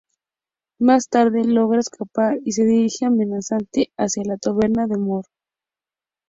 Más tarde logra escapar, y se dirige amenazante hacia la taberna de Moe.